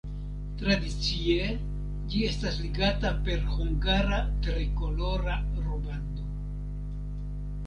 Tradicie ĝi estas ligata per hungara trikolora rubando.